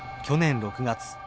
去年６月。